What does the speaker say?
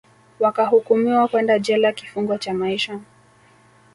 wakahukumiwa kwenda jela kifungo cha maisha